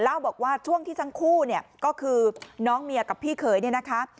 เล่าบอกว่าช่วงที่ทั้งคู่เนี่ยก็คือน้องเมียกับพี่เขยเนี่ยนะคะ